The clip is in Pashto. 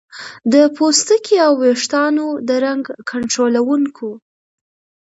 د پوستکي او ویښتانو د رنګ کنټرولونکو